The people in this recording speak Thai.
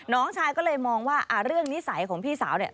น้องชายก็เลยมองว่าเรื่องนิสัยของพี่สาวเนี่ย